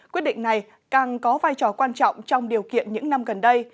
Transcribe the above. quyết định này càng có vai trò quan trọng trong điều kiện những năm gần đây